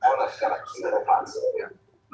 karena secara keseluruhan ya